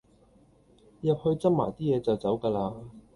入去執埋啲嘢就走架喇